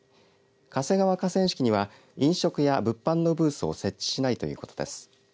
嘉瀬川河川敷には飲食や物販のブースを設置しないということです。